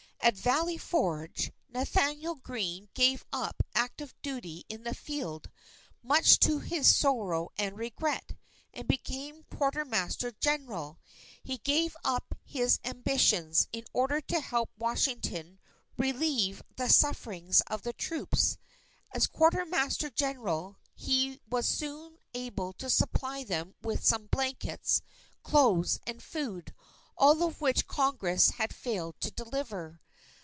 At Valley Forge, Nathanael Greene gave up active duty in the field, much to his sorrow and regret, and became Quartermaster General. He gave up his ambitions, in order to help Washington relieve the sufferings of the troops. As Quartermaster General, he was soon able to supply them with some blankets, clothes, and food, all of which Congress had failed to deliver.